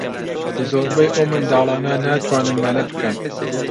زۆربەی ئەو منداڵانە ناتوانن مەلە بکەن.